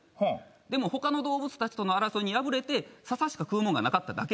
でも他の動物たちとの争いに敗れてササしか食うもんがなかっただけ。